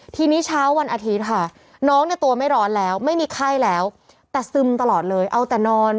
ทีนี้เช้าวันอาทิตย์ค่ะน้องเนี่ยตัวไม่ร้อนแล้วไม่มีไข้แล้วแต่ซึมตลอดเลยเอาแต่นอน